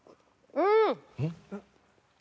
うん。